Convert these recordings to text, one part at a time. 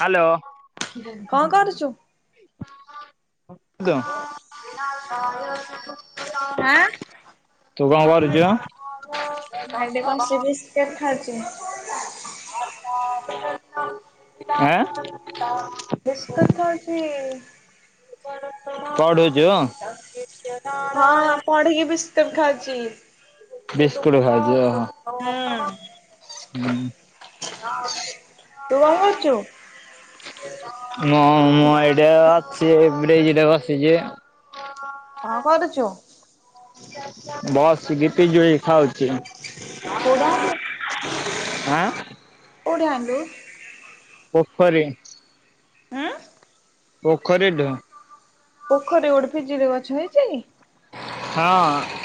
Hello. କଣ କରୁଛୁ? [unintelligible] ଆଁ। ତୁ କଣ କରୁଛୁ [inaudible] ମୁଁ ଏଇଠି ବସି ମିକ୍ଶ୍ଚର ଖାଉଛି। ଆଁ। ବିସ୍କୁଟ ଖାଉଚି। ପଢୁଛୁ? [inaudible] ହଁ ପଢିକି ବିସ୍କୁଟ ଖାଉଛି। ବିସ୍କୁଟ ଖାଉଚୁ ଓହୋ। ହୁଁ ହୁଁ। ତୁ କଣ କରୁଛୁ? ମୁଁ ମୁଁ ଏଇଟି ଅଛି ବ୍ରିଜ୍ ଟି ବସିଛି। କଣ କରୁଛୁ? ବସିକି ପିଜୁଳି ଖାଉଛି। କୋଉଠୁ ଆଣିଲୁ? ଆଁ। କୋଉଠି ଆଣିଲୁ? ପୋଖରୀ। ଉଁ। ପୋଖରୀ ଠୁ। ପୋଖରୀ ଗୋଟେ ପିଜୁଳି ଗଛ ହେଇଛି? ହଁ।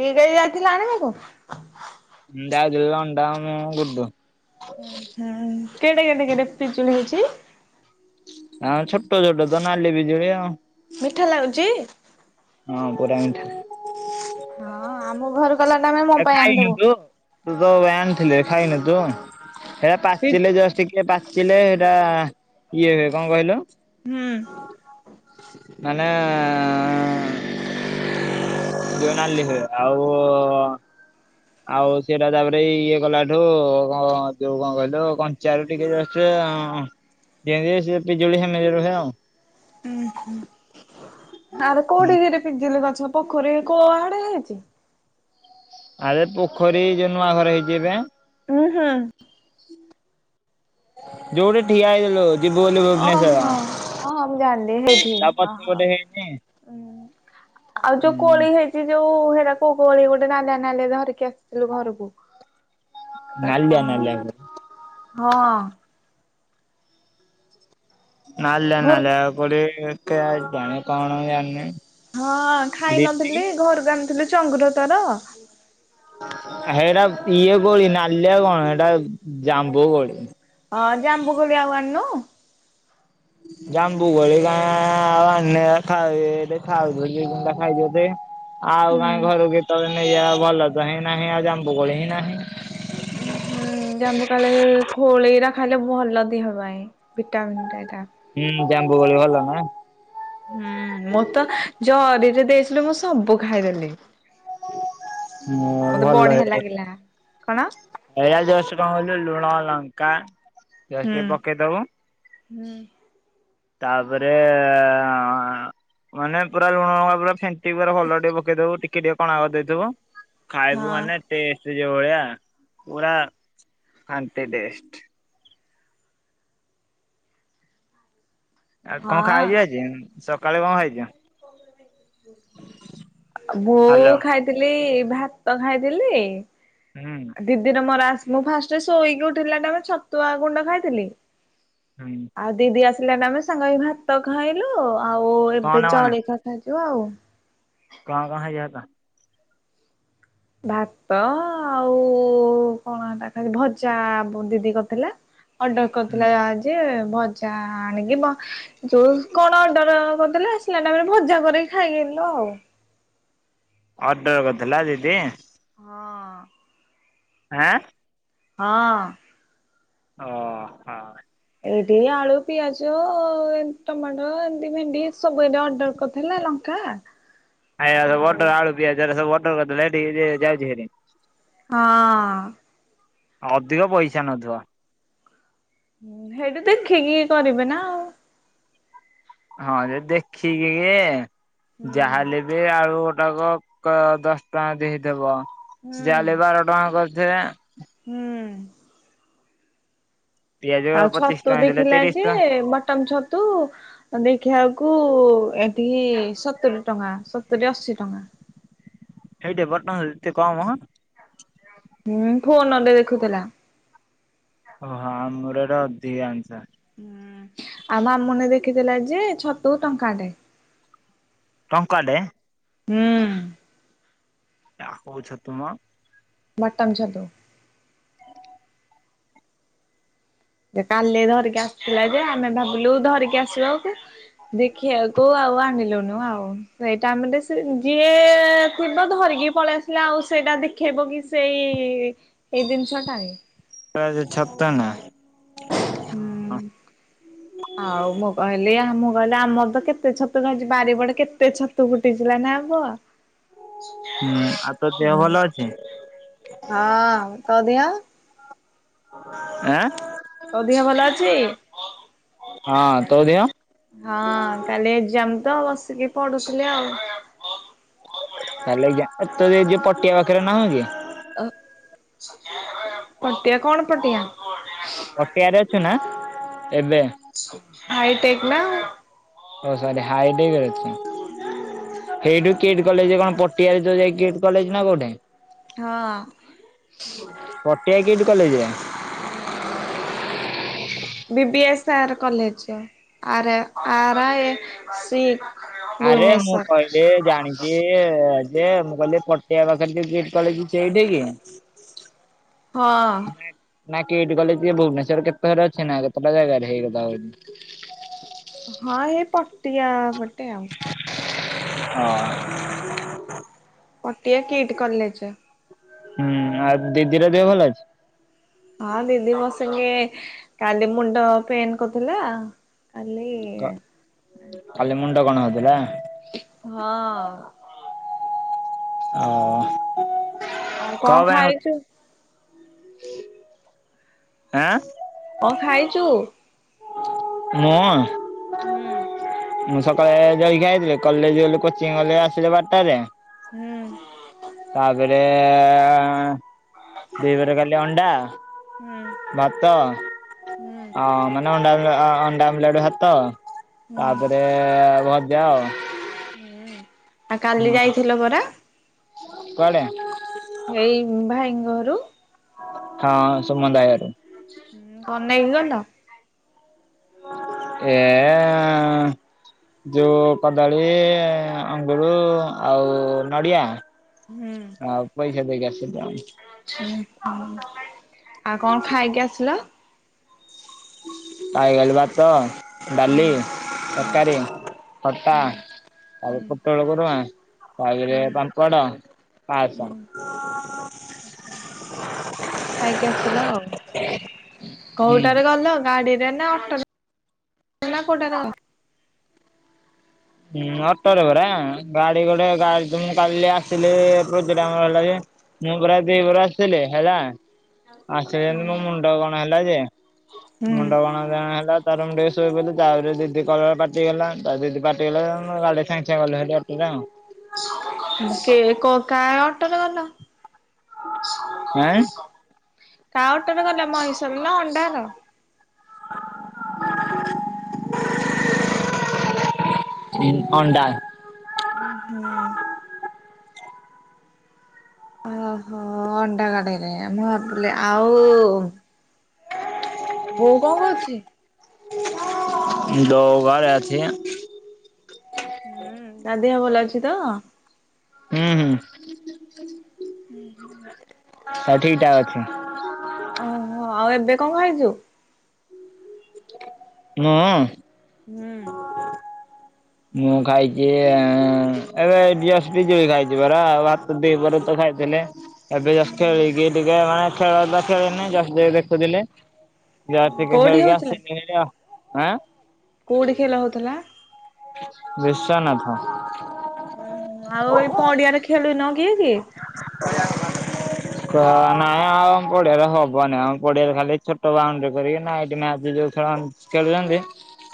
କିଏ ଯାଇ ଯାଇଥିଲା ଆଣିବାକୁ? [unintelligible] ଅଣ୍ଡା ମୁଁ ଗୁଡ଼ୁ। ଉଁ ହୁଁ କେଡେ କେଡେ କେଡେ ପିଜୁଳି ହେଇଛି? ଆଁ ଛୋଟ ଛୋଟ ତ ନାଲି ପିଜୁଳି ଆଉ। ମିଠା ଲାଗୁଛି? ହଁ ପୁରା ମିଠା। ହଁ ଆମ ଘରୁ ଗଲା ଟାଇମରେ ମୋ ପାଇଁ ଆଣିଦବୁ। ତୋ ପାଇଁ ଆଣିଥିଲେ ଖାଇନି ତୁ? ହେଟା ପି ପାଚିଲେ ଜଷ୍ଟ ଟିକେ ପାଚିଲେ ହେଟା ଇଏ ହୁଏ କଣ କହିଲୁ। ହୁଁ। ମାନେ ସିଏ ନାଲି ହେଇଗଲା। ଆଉ ଆଉ ସେଟା ତାପରେ ଇଏ କଲାଠୁ କଣ ଯୋଉ କଣ କହିଲୁ କଞ୍ଚା ରୁ ଟିକେ ଜଷ୍ଟ ଅ ଯେମିତି ସେ ପିଜୁଳି ସେମିତି ରୁହେ ଆଉ। ଉ ହୁଁ ଆରେ କୋଉଠିିକିରି ପିଜିଲି ଗଛ ପୋଖରୀ କୋଉ ଆଡେ ହେଇଛି। ଆରେ ପୋଖରୀ ଯୋଉ ନୂଆ ଘର ହେଇଛି ଏବେ। ଉଁ ହୁଁ। ଯୋଉଠି ଠିଆ ହେଇଥିଲୁ। ଯିବୁ ବୋଲି ଭୁବନେଶ୍ଵର ଓହୋ ହଁ ମୁଁ ଜାଣିଲି ହେଇଠି ତାପଛ ଓହୋ। ପଟେ ହେଇନି ଉଁ। ଆଉ ଯୋଉ କୋଳି ହେଇ ଚି ଯୋଉ ହେରା କଉ କୋଳି ଗୋଟେ ନାଲିଆ ନାଲିଆ ଧରିକି ଆସିଥିଲୁ ଘରକୁ। ବା ନାଲିଆ କଣ ନାଲିଆ ହଁ। ନାଲିଆ ଘରୁ ନଲିଆ କୋଳି ଏତେ କାଇଁ କଣ ମୁଁ ଜାଣିନି। ହଁ ଖାଇ ଦିଦି ନଥିଲି ଘରକୁ ଆଣିଥିଲି ଚଙ୍ଗୁର ତାର। ହେଇଟା ଇଏ କୋଳି ନାଲିଆ କଣ ସେଇଟା ଜାମ୍ବୁ କୋଳି। ହଁ ଜାମ୍ବୁ କୋଳି ଆଉ ଆନୁ। ଜାମ୍ବୁ କୋଳି ମା ଆଉ ଆଣି ସେଇଟେ ଖାଉ ଥିଲି ଗୁଣ୍ଡା ଖାଇ ଦେଲି। ଆଉ କାହିଁ ଉଁ ଘର କେତବେଳେ ନେଇଯ ଭଲ ତ ହିଁ ନାହିଁ ଆଉ ଜାମ୍ବୁକୋଳି ହିଁ ନାହିଁ। ଉୁଁ ହୁଁ। ହୁଁ ଜବୁ କାଳୀ ଖୋଳିଇ ରା ଖାଇଲେ ଭଲ ଦିହପାଇଁ ଭିଟାମିିନା ଟା ଏଇଟା। ହୁଁ ଜାମ୍ବୁ କୋଳି ଭଲ ନା। ହୁଁ ମୁଁ ତ ଜରିରେ ଦେଇିଥିଲୁ ମୁଁ ସବୁ ଖାଇଦେଲି। ହଁ ମତେ ବଢିଆ ଲାଗିଲା କଣ? ଭଇଳା ଜସ କଣ କିଲୁ ଲୁଣ ଲଙ୍କା ଜସ ପକେଇଦବୁ ହୁଁ। ତାପରେ ମାନେ ପୁରା ଲୁଣ ଲଙ୍କା ପୁରା ଫେଣ୍ ପ ଭଲ ଟିକେ ପକେଇଦବୁ ଟିକେ ଟିକେ କଣା କରିଦେଇଥିବୁ ଖାଇବୁ ହଁ ମାନେ ଟେଷ୍ଟ ଯୋଉ ଭଳିଆ ପୁରା ଖାନ୍ତି ଟେଷ୍ଟ। ଆଉ କଣ ଖାଇଯି ଯେ [unintelligible] ବୋଉ ହାଲୋ। ଖାଇ ଥିଲି ଭାତ ଖାଇଥିଲି। ହୁଁ। ଦିଦିରେ ମୋର ମୁଁ ଫାଷ୍ଟ ଶୋଇକି ଉଠିଲା ଟେ ଛତୁଆ ଗୁଣ୍ଡ ଖାଇଥିଲି। ହୁଁ। ଆ ଦିଦି ଆସିଲେଣି ଆମେ ସାଙ୍ଗ ଭାତ ଖାଇଲୁ ଆଉ କଣ ଏବେ ନବନା ଜଳିଖିଆ ଖାଇଲୁ ଆଉ। କ କ ହେଇଆତ ଭାତ ଆଉ କଣ ସେରା ଖାଇ ଭଜା ଦିଦି କରିଥିଲା। ଅର୍ଡର ହୁଁ କରିଥିଲା ଯେ ଭଜା ଆଣିକି ପ ଯୋଉ କଣ ଅର୍ଡର କରିଦେଲେ ଆସିଲା ଟାଇମ୍ ରେ ଭଜା କରିକି ଖାଇକି ଆସିଲୁ ଆଉ। ଅର୍ଡର କରିଥିଲା ଦିଦି। ହଁ। ଆଁ। ହଁ। ଓ ହଁ। ଏଇଠି ଆଳୁ, ପିଆଜ ଏ ଟମାଟୋ ଏମତି ଭେଣ୍ଡି ସବୁ ଏ ଅର୍ଡର କରିଥିଲା ଲଙ୍କା ଆଉ ଆଏର୍ଡର ଆଳୁ ପିଆଜ ସବୁ ଅର୍ଡର କରି ଦେଲେ [unintelligible] ଯାଉଛି ହେରି। ହଁ। ଅଧିକ ପଇସା ନଉଥିବ? ସେଇଠୁ ଦେଖିକି କରିବେ ନା ଆଉ। ହଁ ଯେ ଦେଖିକି କି ହୁଁ। ଯାହେଲେ ବି ଆଳୁ ଗୋଟାକ। କ ଦଶ ଟଙ୍କା ଦେଇ ଥୀବ ହୁଁ ଜାହା ବାର ଟଙ୍କା କରିଥିବେ। ହୁଁ। ପିଆଜ ଆଉ ପଚିଶ ଛତୁ ଟଙ୍କା ଦେଲେ ଦେଖିଲା ତିରିଶ ଯେ ଟଙ୍କା। ବଟମ ଛତୁ। ଦେଖିଲାକୁ ଏଠି ସତୁରି ଟଙ୍କା ସତୁରି ଅଶୀ ଟଙ୍କା। [unintelligible] ଏତେ କମ ହୁଁ ଫୋନରେ ଦେଖୁଥିଲା। ଓହୋ ଆମର ଇଆଡ଼େ ଅଧିକା [unintelligible] ହୁଁ ଆଉ ମାମୁନି ଦେଖିଥିଲା ଯେ ଛତୁ ଟଙ୍କାଟେ। ଟଙ୍କାଟେ? ହୁଁ। [unintelligible] କୋଉ ଛତୁ ମ ବଟମ୍ ଛତୁ। ସେ କାଲି ଧରିକି ଆସିଥିଲା ଯେ ଆମେ ଭାବିଲୁ ଧରିକି ଆସିବ ଆଉ [unintelligible] ଦେଖିବା କୁ ଆଉ ଆଣିଲୁନୁ ଆଉ। ସେଇଟା ଆମେ ଯିଏ ଥିବ ଧରିକି ପଳେଇ ଆସିଲେ ଆଉ ସେଇଟା ଦେଖେଇବ କି। ସେଇ ଜିନିଷଟାରେ। [unintelligible] ହଁ। ହୁଁ। [unintelligible] ଆଉ ମୁଁ କହିଲି ଆମ ଆମ କହିଲି ଆମର ତ କେତେ ଛତୁ ଖାଇଛି ବାରିପଟେ କେତେ ଛତୁ ଫୁଟିଥିଲା ନା ପୁଅ। ହୁଁ ଆଉ ତୋ ଦେହ ହୁଁ ଭଲ ଅଛି? ହଁ ତୋ ଦେହ? ଆଁ ତୋ ଦିହ ଭଲ ଅଛି? ହଁ ତୋ ଦେହ? ହଁ କାଲି ଏଜାମ ତ ବସିକି ପଢୁଥିଲି ଆଉ। [unintelligible] ପଟିଆ ପାଖରେ ନାଁ କି? ଅ ପଟିଆ କଣ ପଟିଆ? ପଟିଆରେ ଅଛୁ ନା ଏବେ? ହାଇଟେକ୍ ନା। ଓ ସରି ହାଇଟେକ୍ ରେ ଅଛି। ହୁଁ। ଏଇଠୁ କିଟ୍ କଲେଜ କଣ ପଟିଆରେ ଯୋଉ ଯାଇକି କିଟ୍ କଲେଜ ନା କୋଉଠି? ହଁ। Patia KIIT college. ହୁଁ B B S R college. ଆରେ ଆରେଏ ଶିଖ। ଆରେ ମୁଁ କହିଲି ଜାଣିଚି। ଯେ ଯେ ମୁଁ କହିଲି ପଟିଆ ପାଖରେ ଯୋଉ କିଟ୍ କଲେଜ ସେଇଟାକି? ହଁ। ନା କି କିଟ୍ କଲେଜ କିଏ ଭୁବନେଶର କେତେଟାରେ ଅଛି ନା କେତେଟା ଜାଗାରେ ହେଇଗଲା ବୋଲି। ହଁ ଏଇ ପଟିଆ ପଟେ ଆଉ। ହଁ। Patia KIIT college. ହୁଁ ଆଉ ଦିଦିର ଦେହ ଭଲ ଅଛି? ହଁ ଦିଦି ମୋ ସାଙ୍ଗେ କାଲି ମୁଣ୍ଡ ପେନ୍ କରୁଥିଲା। କାଲି କ କାଲି ମୁଣ୍ଡ କଣ ହଉଥିଲା? ହଁ। ଅ। ଆଉ କଣ ପାଇଁ ହଉଥିଲା? ଖାଇଛୁ? ଆଁ? କଣ ଖାଇଛୁ? ମୁଁ ହୁଁ। ମୁଁ ସକାଳେ ଜଲଖିଆ ଖାଇଥିଲି କଲେଜ କୋଚିଂ ଗଲି ଆସିଲି ବାରଟାରେ ହୁଁ ତାପରେ ଦ୍ୱିପହରରେ କଲି ଅଣ୍ଡା ହୁଁ। ଭାତ। ହୁଁ ହଁ ମାନେ ଅଣ୍ଡା ଆ ଅଣ୍ଡା ଆମ୍ଲେଟ ଭାତ ହୁଁ ତାପରେ ଭଜା ଆଉ। ହୁଁ ଆଉ କାଲି ହୁଁ ଯାଇଥିଲ ପରା? କୁଆଡେ? ଏଇ ଭାଇଙ୍କ ଘରୁ? ହଁ ସୁମନ୍ତ ଭାଇ ଘରକୁ। କଣ ନେଇକି ଗଲ? ଏଁ ଯଉ କଦଳୀ ଅଙ୍ଗୁରୁ ଆଉ ନଡ଼ିଆ। ହଁ ପଇସା ଦେଇକି ଆସିଲି ଆଉ। ହୁଁ ହୁଁ ଆଉ କଣ ଖାଇକି ଆସିଲ? ଖାଇକିଗଲି ଭାତ ହୁଁ ଡାଲି ହୁଁ ତରକାରି ଖଟା ହୁଁ ହୁଁ ତାପରେ ପୋଟଳ କୁର୍ମା ତାପରେ ହୁଁ ପାମ୍ପଡ, ପାସ। ଆଛା ଖାଇକି ଆସିଲ ଆଉ। ହୁଁ କୋଉଟାରେ ଗଲ ଗାଡିରେ ନା ଅଟୋରେ? ନା କୋଉଟାରେ? ହୁଁ ଅଟୋ ରେ ପରା ଗାଡି ଗୋଟେ ଗାଡି ମୁ କାଲି ଆସିଲି ଭୋଜୀ ହେଲା ଯେ ମୁଁ ପରା ଦିପହର ଆସିଥିଲି ହେଲା। ଆସିଲି ମୋ ମୁଣ୍ଡ କଣ ହେଲା ଯେ ହୁଁ ମୁଣ୍ଡ କଣ କେଇଆଣି ହେଲା ତାପରେ ମୁ ଟିକେ ଶୋଇପଡ଼ିଲି ତାପରେ ଦିଦି କଲା ପାଟି କଲା ତାପରେ ଦିଦି ପା ଟି କଲା ତାପରେ ସଙ୍ଗେ ସାଙ୍ଗେ ଗଲୁହାରି ଅଟୋରେ ଆଉ। ମୁ କେ କ କା ଅଟୋରେ ଗଲ? ଆଁ କାହା ଅଟୋରେ ଗଲ ମଣିସ୍ୱର ର ନା ଅଣ୍ଡାର? ଉଁ ଅଣ୍ଡା। ଉ ହୁଁ। ଓହୋ ଅଣ୍ଡା ଗାଡ଼ିରେ ମୁଁ ଭାବିଲି ଆଉ ବୋଉ କଣ କରୁଛି? ବୋଉ ଘରେ ଅଛି। ହୁଁ ତା ଦେହ ଭଲ ଅଛି ତ? ହୁଁ ହୁଁ। ହଁ ସବୁ ଠିକ୍ ହ ଠାକ୍ ଅଛି ଓହୋ ଆଉ ଏବେ କଣ ଖାଇଛୁ? ମୁଁ? ହୁଁ। ମୁଁ ଖାଇଛି ଏବେ ବିଅଷ୍ଟି ଖାଇଛି ପରା ଭା [unintelligible] ଖାଇଥିଲେ ଏବେ ଜଷ୍ଟ ଖେଳିକି ହୁଁ ଟିକେ ମାନେ ଖେଳ ଖେଳିନି ଜ ଯ ଦେଖୁଥିଲେ। କୋଉଠି ହଉଥିଲା [unintelligible] ଆଁ କୋଉଠି ଖେଲ ହଉଥିଲା? ବିଶ୍ଵନାଥ ଆଉ ଏ ପଡିଆରେ ଖେଳୁନ କିଏ କି? [unintelligible] ତ ନାଇଁ ଆଉ ପଡିଆରେ ହବନି ଆମ ପଡିଆରେ ଖାଲି ଛୋଟ ବାଉଣ୍ଡରି କରିକି ନାଇଟ ମ୍ୟାଚ ଯୋଉ ଥର ଖେଳୁଛନ୍ତି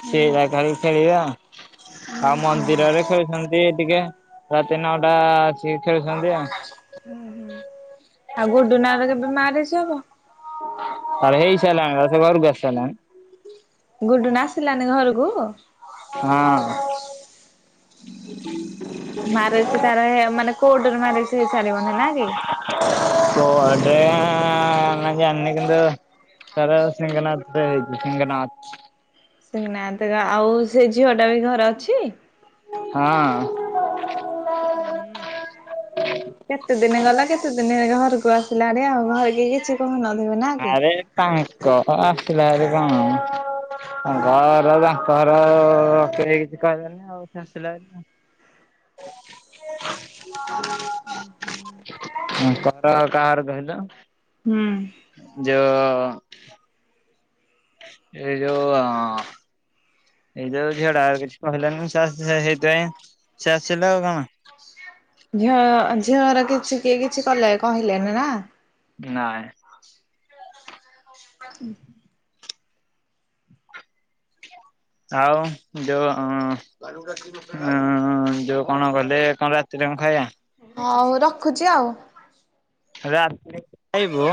ହୁଁ। ସେଇଟା ଖେ ଖେଳିବେ ଆଉ ଉଁ ଆଉ ହୁଁ ମନ୍ଦିରରେ ଖେଳୁଛନ୍ତି। ସେ ଟିକେ ରାତି ନଅଟା ଆସି ଖେଳୁଛନ୍ତି ଆଉ। ହୁଁ ହୁଁ ଆଉ ଗୁଡ୍ଡୁ ନା ର କେବେ ମାରିଛି ହବ। [unintelligible] ଗୁଡୁନ ଆସିଲାନି ଘରକୁ? ହଁ ମାରେଜ୍ ତାର ମାନେ କୋଟରେ ମାରେଜ ହେଇ ହେଇସାରି ବନି ନା କି? ପଡେ ଜାନି କିନ୍ତୁ ସାରା ସିଂଙ୍ଗନାଥ ହେଇଛି ସିଂଙ୍ଗନାଥ। ସେନା ଆଉ ସେ ଝିଅ ଟା ବି ଘରେ ଅଛି? ହଁ ହୁଁ କେତେ ଦିନ ଗଲା କେତେ ଦିନ ଘରକୁ ଆସିଲା ଆଣି ଆଉ ଘର କି କିଛି କହୁନଥିବେ ନା କି? କାଇଁ ତ ଆସିଲାରେ କଣ। ଘର ତାଙ୍କର କେହି କିଛି କହିଲେନି ଆଉ। [unintelligible] [unintelligible] [unintelligible] କାହାର କହିଲ ହୁଁ ଯୋଉ ଏଇ ଯୋଉ ଏଇଯଉ ଝିଅଡା ଆଉ କିଛି କହିଲାନି ସେଇଥିପାଇଁ ସେ ଆସିଲା ଆଉ କଣ ଝିଅ ଝିଅର କିଛି କିଏ କିଛି କଲେ କହିଲେନି ନା? ନାଇଁ। [unintelligible] [unintelligible] ଯୋଉ ହଁ ଯୋଉ କଣ କଲେ କଣ ରାତିରେ କଣ ଖାଇବା? ହଉ ରଖୁଛି ଆଉ। ରାତି ଆାଇବୁ।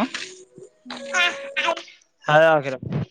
ହଁ [unintelligible]